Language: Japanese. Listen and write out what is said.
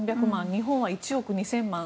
日本は１億２０００万人。